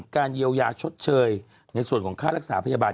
เยียวยาชดเชยในส่วนของค่ารักษาพยาบาล